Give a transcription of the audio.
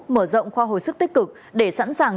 mở rộng khoa hồi sức tích cực để sẵn sàng